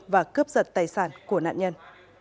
và cướp giật tài sản của nạn nhân